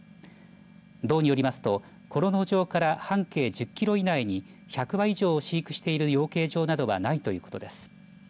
道によりますと、この農場から半径１０キロ以内に１００羽以上飼育している養鶏場などはないということです。